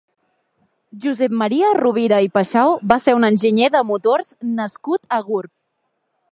Josep Maria Rovira i Paxau va ser un enginyer de motors nascut a Gurb.